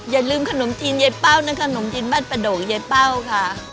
อย่าลืมขนมจีนยายเป้านะขนมจีนบ้านประโดกยายเป้าค่ะ